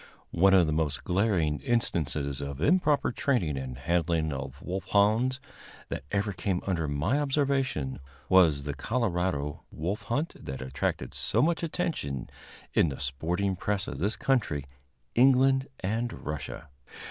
One of the most glaring instances of improper training and handling of wolfhounds that ever came under my observation was the Colorado wolf hunt that attracted so much attention in the sporting press of this country, England and Russia.